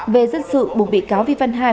về dân sự buộc bị cáo vi văn hai